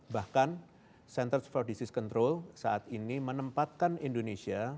bahkan centers for disease control saat ini menempatkan indonesia